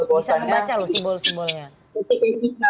bisa membaca loh simbol simbolnya